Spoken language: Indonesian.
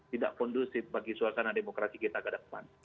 tidak kondusif bagi suasana demokrasi kita ke depan